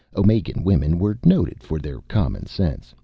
Omegan women were noted for their common sense.